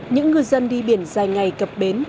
những người dân đi biển dài ngày cập bến